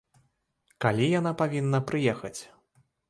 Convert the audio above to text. Калі яна павінна прыехаць?